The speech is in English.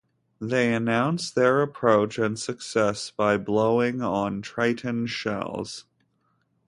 They announce their approach and success by blowing on triton shells.